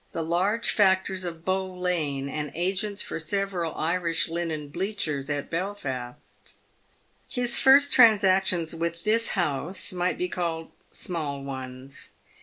the large factors of Bow lane, and agents for several Irish linen bleachers at Belfast. His first transactions with this house might be called PAVED WITH GOLD. 241 small ones.